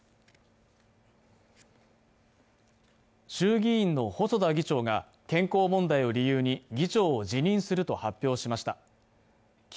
衆議院の細田議長が、健康問題を理由に議長を辞任すると発表しました。